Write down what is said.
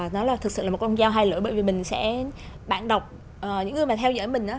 nó là thực sự là một con dao hai lưỡi bởi vì mình sẽ bản đọc những người mà theo dõi mình á